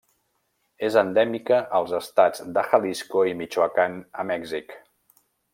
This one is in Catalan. És endèmica als estats de Jalisco i Michoacán a Mèxic.